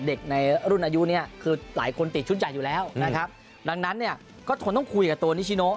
ในรุ่นอายุเนี่ยคือหลายคนติดชุดใหญ่อยู่แล้วนะครับดังนั้นเนี่ยก็คงต้องคุยกับตัวนิชิโน